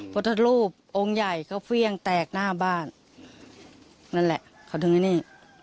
พุทธรูปองค์ใหญ่ก็เฟี่ยงแตกหน้าบ้านนั่นแหละเขาถึงไอ้นี่